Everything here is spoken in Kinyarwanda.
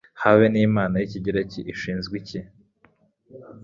Hebe nimana yikigereki ishinzwe iki?